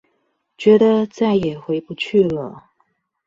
覺得再也回不去了